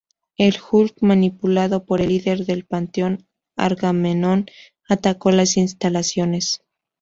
El Hulk, manipulado por el Líder del Panteón, Agamenón, atacó las instalaciones.